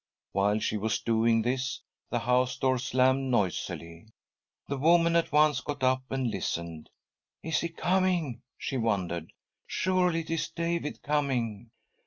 While she was doing this, the house door slammed noisily. The woman at once got up and listened. " Is he coming ?" she wondered. " Surely it is David coming."